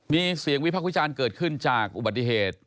มีเสียงวิพักษ์วิจารณ์เกิดขึ้นจากอุบัติเหตุ